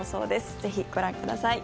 ぜひ、ご覧ください。